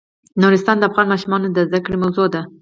نورستان د افغان ماشومانو د زده کړې موضوع ده.